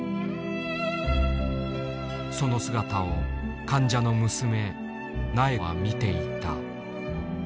その姿を患者の娘ナエは見ていた。